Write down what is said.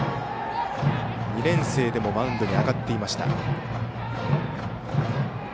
２年生でもマウンドに上がっていました。